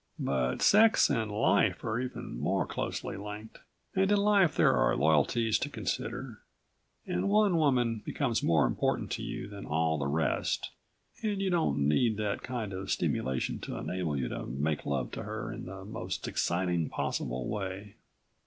But sex and life are even more closely linked, and in life there are loyalties to consider and one woman becomes more important to you than all the rest and you don't need that kind of stimulation to enable you to make love to her in the most exciting possible way.